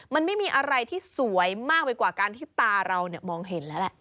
มันไม่มีอะไรที่สวยมากไปกว่าการที่ตาเรามองเห็นแล้วแหละ